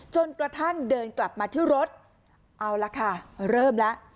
จนกระทั่งเดินกลับมาที่รถเอาละค่ะเริ่มแล้ว